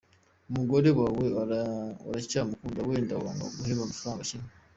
Umugore wawe uracya mukunda wenda wanga guheba agafaranga kiwe.